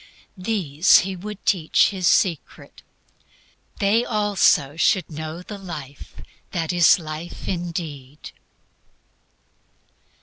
These He would teach His secret. They, also, should know "the life that is life indeed."